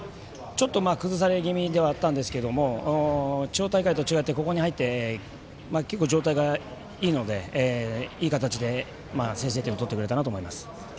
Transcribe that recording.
ちょっと崩され気味ではあったんですけど地方大会と違ってここに入って結構、状態がいいので、いい形で先制点をとってくれたなと思います。